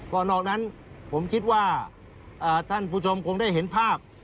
ก็นอกนั้นผมคิดว่าท่านผู้ชมคงได้เห็นภาพ